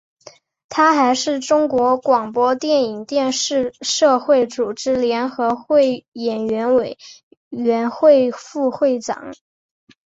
他还是中国广播电影电视社会组织联合会演员委员会副会长。